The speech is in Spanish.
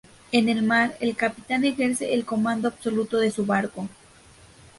En el mar, el capitán ejerce el comando absoluto de su barco.